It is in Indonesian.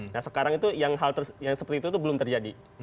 nah sekarang itu yang hal yang seperti itu belum terjadi